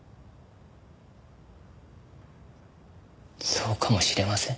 そうかもしれません。